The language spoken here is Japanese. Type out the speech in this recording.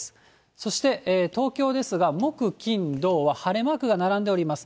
そして、東京ですが、木、金、土は晴れマークが並んでおります。